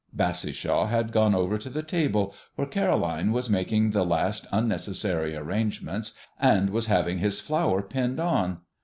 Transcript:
Bassishaw had gone over to the table, where Caroline was making the last unnecessary arrangements, and was having his flower pinned on.